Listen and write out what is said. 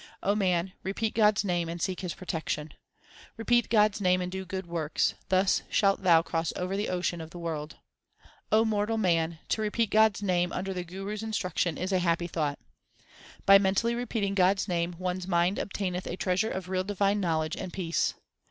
O man, repeat God s name and seek His protection. Repeat God s name and do good works ; thus shalt thou cross over the ocean of the world. O mortal man, to repeat God s name under the Guru s instruction is a happy thought. By mentally repeating God s name one s mind obtaineth a treasure of real divine knowledge and peace.